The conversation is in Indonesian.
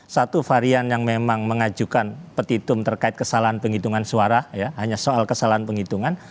satu varian yang memang mengajukan petitum terkait kesalahan penghitungan suara hanya soal kesalahan penghitungan